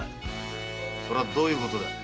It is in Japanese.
そりゃどういうことだい？